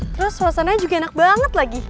terus suasananya juga enak banget lagi